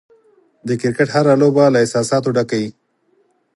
د کرکټ هره لوبه له احساساتو ډکه وي.